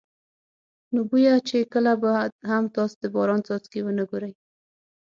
نو بویه چې کله به هم تاسې د باران څاڅکي ونه ګورئ.